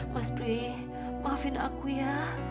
mas bri maafin aku ya